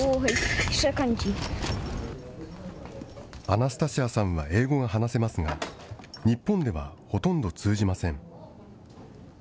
アナスタシアさんは英語が話せますが、日本ではほとんど通じません。